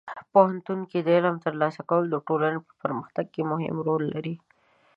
پوهنتون کې د علم ترلاسه کول د ټولنې په پرمختګ کې مهم رول لري.